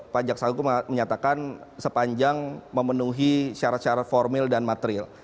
pak jaksa agung menyatakan sepanjang memenuhi syarat syarat formil dan material